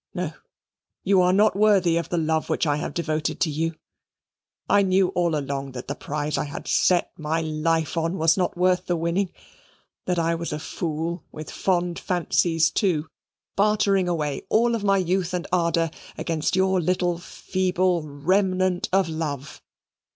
No, you are not worthy of the love which I have devoted to you. I knew all along that the prize I had set my life on was not worth the winning; that I was a fool, with fond fancies, too, bartering away my all of truth and ardour against your little feeble remnant of love.